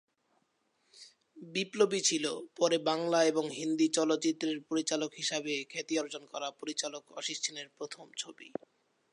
বিপ্লবী ছিল পরে বাংলা এবং হিন্দী চলচ্চিত্রের পরিচালক হিসাবে খ্যাতি অর্জন করা পরিচালক অসিত সেনের প্রথম ছবি।